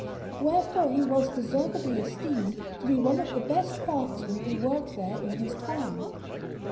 Wherefore he was deservedly esteemed to be one of the best craftsmen who worked there in his time.